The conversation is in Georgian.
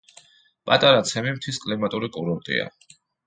პატარა ცემი მთის კლიმატური კურორტია.